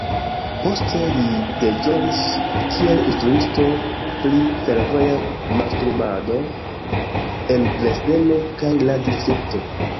Poste li deĵoris kiel instruisto pri fervoja mastrumado en Dresdeno kaj la distrikto.